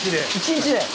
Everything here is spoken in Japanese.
１日で。